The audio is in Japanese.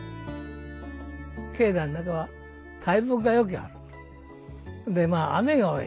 （境内の中は大木がようけある。